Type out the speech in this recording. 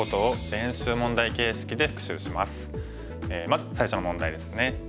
まず最初の問題ですね。